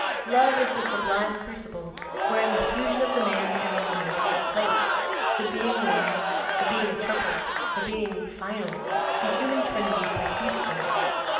Love is the sublime crucible wherein the fusion of the man and the woman takes place; the being one, the being triple, the being final, the human trinity proceeds from it.